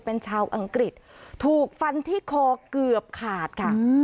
เป็นชาวอังกฤษถูกฟันที่คอเกือบขาดค่ะ